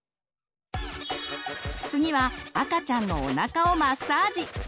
次は赤ちゃんのおなかをマッサージ！